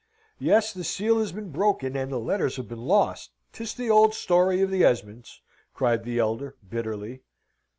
"Yes! the seal has been broken, and the letters have been lost, 'tis the old story of the Esmonds," cried the elder, bitterly.